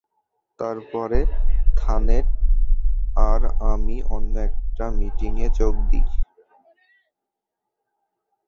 তারপরে থ্যানেট আর আমি অন্য একটা মিটিংয়ে যোগ দিই।